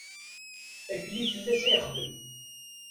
Akli fell-as ad yexdem.